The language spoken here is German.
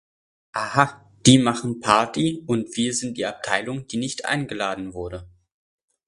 Aha, die machen Party und wir sind die Abteilung, die nicht eingeladen wurde.